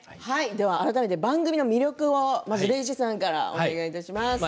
改めて番組の魅力を礼二さんからお願いします。